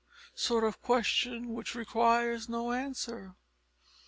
sort of question which requires no answer.